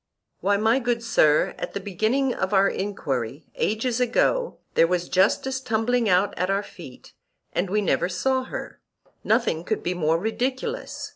Why, my good sir, at the beginning of our enquiry, ages ago, there was justice tumbling out at our feet, and we never saw her; nothing could be more ridiculous.